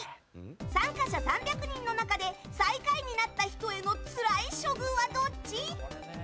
参加者３００人の中で最下位になった人へのつらい処遇はどっち？